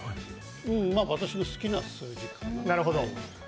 私の好きな数字かな。